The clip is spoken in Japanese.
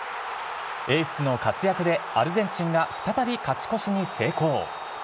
エースの活躍で、アルゼンチンが再び勝ち越しに成功。